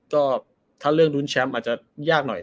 ก็ถ้าเรื่องรุ้นแชมป์อาจจะยากหน่อย